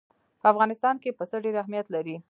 په افغانستان کې پسه ډېر اهمیت لري.